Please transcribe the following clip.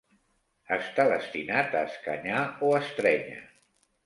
Està destinat a escanyar o estrènyer.